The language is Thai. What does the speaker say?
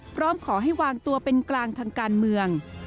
พร้อมขอให้วางตัวเป็นกลางทางการเมือง